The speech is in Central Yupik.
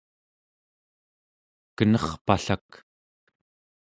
kenerpallak